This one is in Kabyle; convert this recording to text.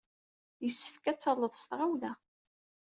Yessefk ad t-talled s tɣawla!